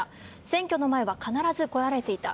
選挙の前は必ず来られていた。